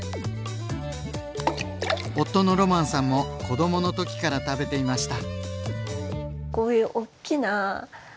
夫のロマンさんも子どものときから食べていました。